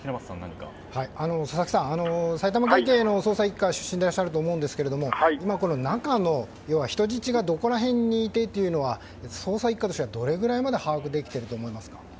佐々木さん、埼玉県警の捜査１課出身であると思いますが今この中の人質がどこら辺にいてというのは捜査１課としてはどれくらいまで把握できていると思いますか。